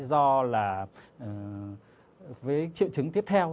do là với triệu chứng tiếp theo